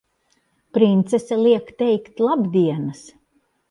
Princese liek teikt labdienas!